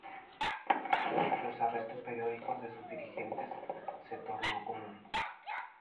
Los arrestos periódicos de sus dirigentes se tornó común.